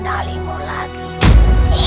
saya ajar dia